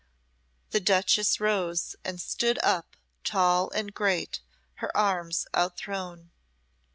The duchess rose, and stood up tall and great, her arms out thrown.